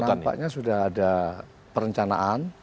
nampaknya sudah ada perencanaan